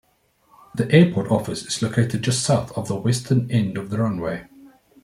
The airport office is located just south of the western end of the runway.